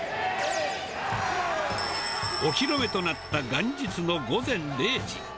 お披露目となった元日の午前０時。